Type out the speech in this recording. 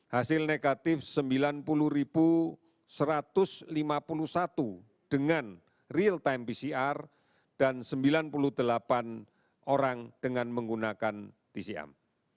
hasil negatif sembilan puluh satu ratus lima puluh satu dengan real time pcr dan sembilan puluh delapan orang dengan menggunakan tcm